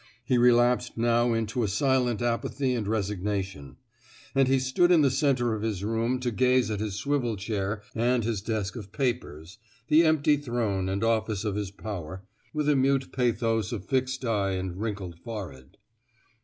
He relapsed now into a silent apathy and resignation; and he stood in the center of his room to gaze at his swivel chair and his desk of papers — the empty throve and office of his power — with a mute pathos of fixed eye and wrinkled forehead.